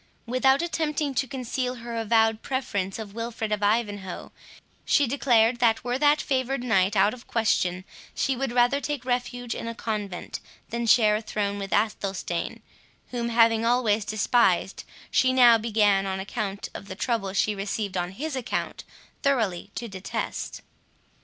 Without attempting to conceal her avowed preference of Wilfred of Ivanhoe, she declared that, were that favoured knight out of question, she would rather take refuge in a convent, than share a throne with Athelstane, whom, having always despised, she now began, on account of the trouble she received on his account, thoroughly to detest.